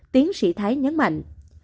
tiến sĩ thái nhấn mạnh